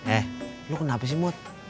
eh lo kenapa sih mut